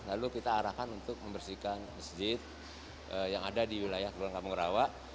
lalu kita arahkan untuk membersihkan masjid yang ada di wilayah kebun kampung rawa